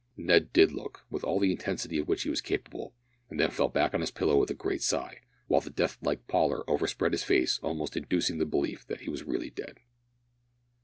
Ned did look, with all the intensity of which he was capable, and then fell back on his pillow with a great sigh, while a death like pallor overspread his face, almost inducing the belief that he was really dead.